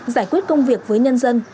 giải quyết công việc với nhân dân